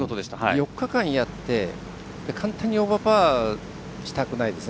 ４日間やって簡単にオーバーパーしたくないですね。